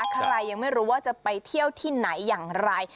ใครยังไม่รู้ว่าจะไปเที่ยวที่ไหนอย่างไร